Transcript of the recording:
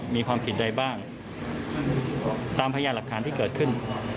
มีความผิดใดบ้างตามพยานหลักฐานที่เกิดขึ้น